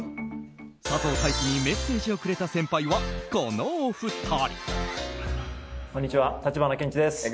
佐藤大樹にメッセージをくれた先輩はこのお二人。